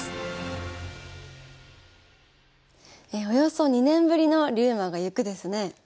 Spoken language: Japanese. およそ２年ぶりの「竜馬がゆく」ですね。